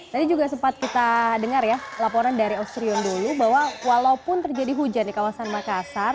tadi juga sempat kita dengar ya laporan dari austrion dulu bahwa walaupun terjadi hujan di kawasan makassar